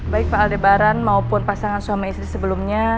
baik pak aldebaran maupun pasangan suami istri sebelumnya